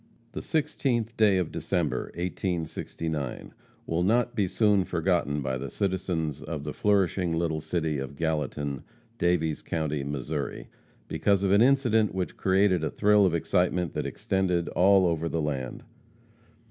The 16th day of December, 1869, will not be soon forgotten by the citizens of the flourishing little city of Gallatin, Daviess county, Missouri, because of an incident which created a thrill of excitement that extended all over the land.